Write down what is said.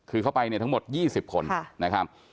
คือเข้าไปเนี่ยทั้งหมด๒๐คนนะครับ